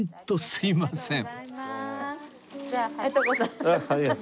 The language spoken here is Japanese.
すいません